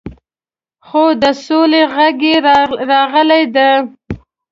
خو د سولې غږ یې راغلی دی.